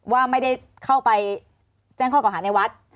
ว่าไม่ได้เข้าไปแจ้งข้อเก่าหาในวัด